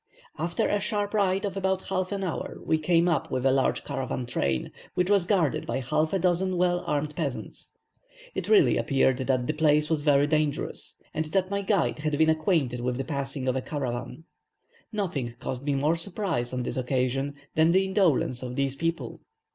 After a sharp ride of about half an hour, we came up with a large caravan train, which was guarded by half a dozen well armed peasants. It really appeared that the place was very dangerous, and that my guide had been acquainted with the passing of a caravan. Nothing caused me more surprise on this occasion, than the indolence of these people.